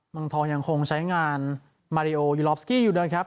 เมืองทองยังคงใช้งานมาริโอยูลอฟสกี้อยู่เดิมครับ